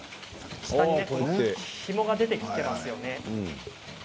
下にひもが出てきていますね。